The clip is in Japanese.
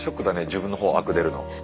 自分のほうアク出るの。